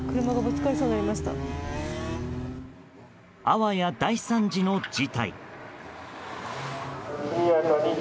あわや大惨事の事態。